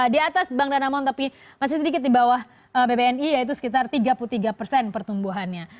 di atas bank danamon tapi masih sedikit di bawah bbni yaitu sekitar tiga puluh tiga persen pertumbuhannya